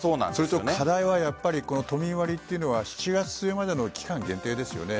課題は都民割っていうのは７月末までの期間限定ですよね。